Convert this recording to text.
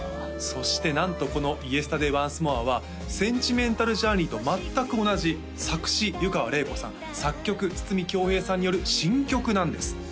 そしてなんとこの「イエスタデイ・ワンス・モア」は「センチメンタル・ジャーニー」と全く同じ作詞湯川れい子さん作曲筒美京平さんによる新曲なんです